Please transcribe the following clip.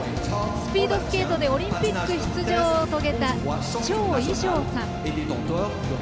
スピードスケートでオリンピック出場を遂げた趙偉昌さん。